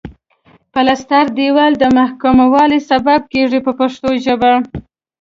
پلستر دېوال د محکموالي سبب کیږي په پښتو ژبه.